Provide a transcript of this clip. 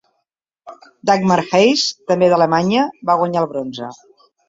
Dagmar Hase, també d'Alemanya, va guanyar el bronze.